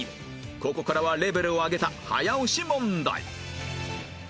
ここからはレベルを上げた早押し問題